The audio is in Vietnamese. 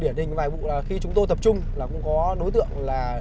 điển hình vài vụ là khi chúng tôi tập trung là cũng có đối tượng là